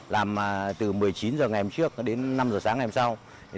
làm từ một mươi chín h ngày hôm trước đến năm h sáng ngày hôm sau